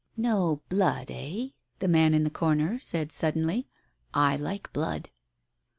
"No blood, eh ?" the man in the corner said suddenly. "I like blood."